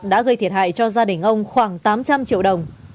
đã gây thiệt hại cho gia đình ông khoảng tám trăm linh triệu đồng